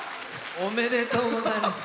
おめでとうございます。